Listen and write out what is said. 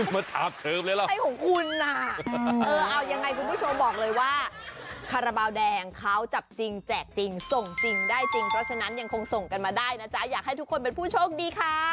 โปรดติดตามตอนต่อไป